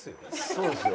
そうですよ。